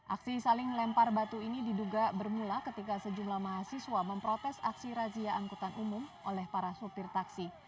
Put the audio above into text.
aksi saling lempar batu ini diduga bermula ketika sejumlah mahasiswa memprotes aksi razia angkutan umum oleh para sopir taksi